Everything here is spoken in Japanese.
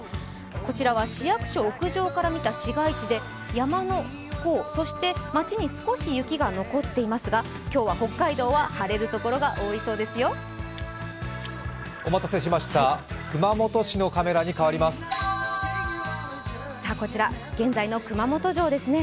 こちらは市役所屋上から見た市街地で山の方、そして街に少し雪が残っていますが、今日は北海道は晴れるところが多いようですよ。